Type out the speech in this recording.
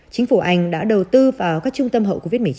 chính phủ anh đã đầu tư vào các trung tâm hậu covid một mươi chín